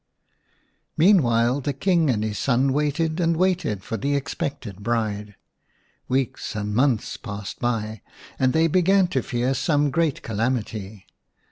Meanwhile the King and his son waited and /'waited for the expected bride./ Weeks and months passed by, and they began to fear some great calamity.